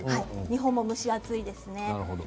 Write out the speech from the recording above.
日本も蒸し暑いですね。